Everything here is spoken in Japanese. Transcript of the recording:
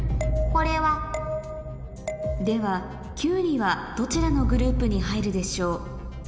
これは。では「キュウリ」はどちらのグループに入るでしょう？